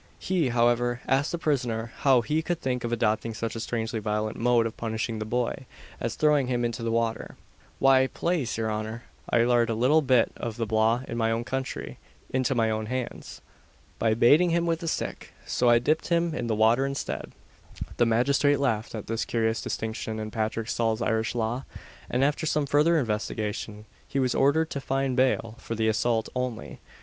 He, however, asked the prisoner how he could think of adopting such a strangely violent mode of punishing the boy, as throwing him into the water. "Why, plase your honour, I larned a little bit of the law in my own country," replied honest Patrick, "and I understand thereby that I'd no right to take the law into my own hands, by bating him with a stick, so I dipp'd him in the water instead." The magistrate laughed at this curious distinction in Patrick Saul's Irish law; and, after some further investigation, he was ordered to find bail for the assault only.